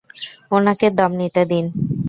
উনাকে দম নিতে দিন!